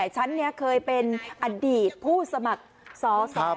ฉันนี้เคยเป็นอดีตผู้สมัครสอสอ